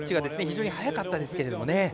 非常に速かったですけれどもね。